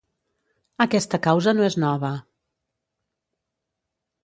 Aquesta causa no és nova.